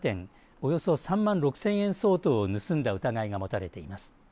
およそ３万６０００円相当を盗んだ疑いが持たれています。